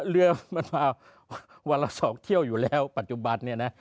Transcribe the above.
เรือมันมาวันละ๒เที่ยวอยู่แล้วปัจจุบันเนี่ยนะ